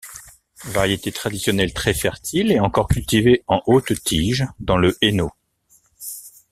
Variété traditionnelle très fertile et encore cultivée en haute-tige dans le Hainaut.